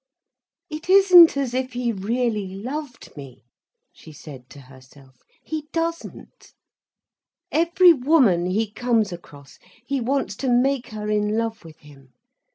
"It isn't as if he really loved me," she said to herself. "He doesn't. Every woman he comes across he wants to make her in love with him.